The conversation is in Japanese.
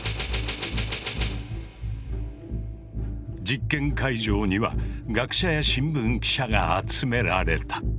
実験会場には学者や新聞記者が集められた。